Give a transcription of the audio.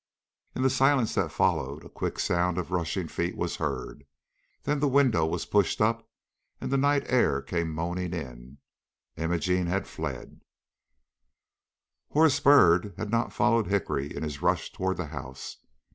In the silence that followed, a quick sound as of rushing feet was heard, then the window was pushed up and the night air came moaning in. Imogene had fled. Horace Byrd had not followed Hickory in his rush toward the house.